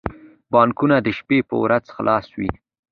بانکونه د شنبی په ورځ خلاص وی